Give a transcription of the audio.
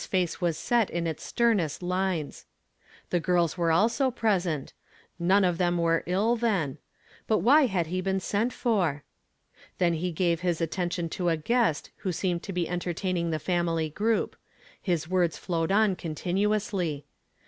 was set in its sternest Inies. The girls weic also present ; none of them ;vere ill, then; but why ha.l he been sent for? Ihen he gave his attention to a guest who seemed to be entertaining the family group; his words flowed on continuously.